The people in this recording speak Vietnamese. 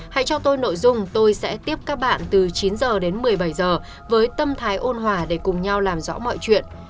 hãy cho tôi nội dung tôi sẽ tiếp các bạn từ chín h đến một mươi bảy giờ với tâm thái ôn hòa để cùng nhau làm rõ mọi chuyện